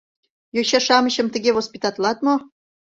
— Йоча-шамычым тыге воспитатлат мо?..